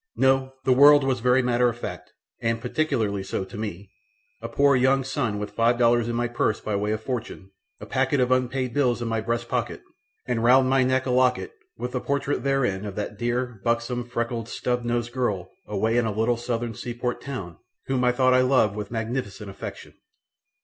No! the world was very matter of fact, and particularly so to me, a poor younger son with five dollars in my purse by way of fortune, a packet of unpaid bills in my breastpocket, and round my neck a locket with a portrait therein of that dear buxom, freckled, stub nosed girl away in a little southern seaport town whom I thought I loved with a magnificent affection.